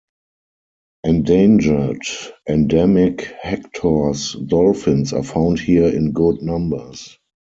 Endangered, endemic Hector's dolphins are found here in good numbers.